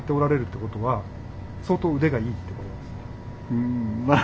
うんまあ。